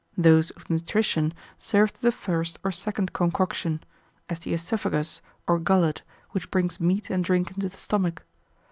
Those of nutrition serve to the first or second concoction; as the oesophagus or gullet, which brings meat and drink into the stomach.